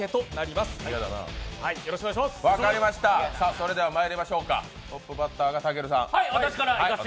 それではまいりましょうか、トップバッターがたけるさん。